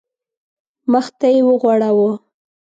مخ ته یې وغوړاوه.